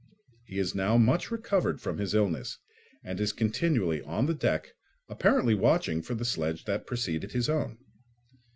He is now much recovered from his illness and is continually on the deck, apparently watching for the sledge that preceded his own.